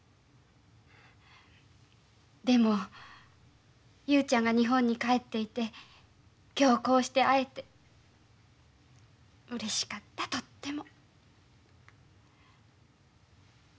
でも雄ちゃんが日本に帰っていて今日こうして会えてうれしかったとっても。